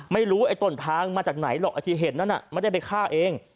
ไม่รู้ไอ้ตลทางมาจากไหนหรอกอาทิเหตุนั้นไม่ได้ไปฆ่าเอง